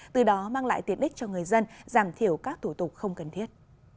từ đó mang lại tiện ích cho người dân giảm thiểu các thủ tục không cần thiết